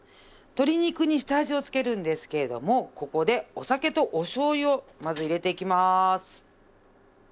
鶏肉に下味をつけるんですけれどもここでお酒とお醤油をまず入れていきます。